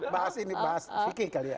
bahas ini bahas fikih kali ya